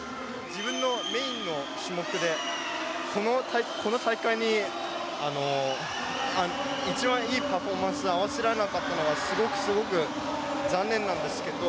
自分のメインの種目でこの大会に一番いいパフォーマンスに合わせられなかったのはすごくすごく残念なんですけど。